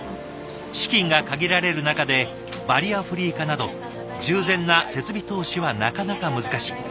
資金が限られる中でバリアフリー化など十全な設備投資はなかなか難しい。